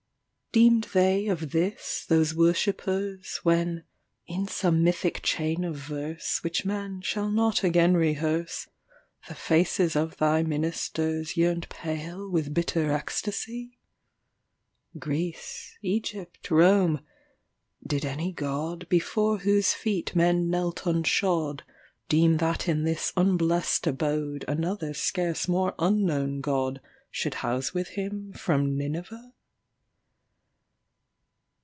Deemed they of this, those worshippers, When, in some mythic chain of verseWhich man shall not again rehearse, The faces of thy ministersYearned pale with bitter ecstasy? Greece, Egypt, Rome,—did any godBefore whose feet men knelt unshodDeem that in this unblest abodeAnother scarce more unknown godShould house with him, from Nineveh?